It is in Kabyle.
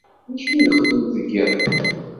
D acu i nexdem deg yiḍ-a?